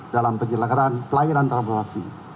dalam penyelenggaraan pelahiran transportasi